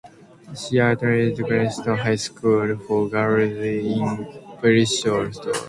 She attended Clifton High School for Girls in Bristol.